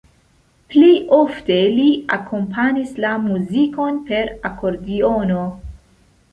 Plej ofte li akompanis la muzikon per akordiono.